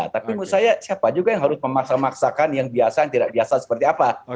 tapi menurut saya siapa juga yang harus memaksa maksakan yang biasa yang tidak biasa seperti apa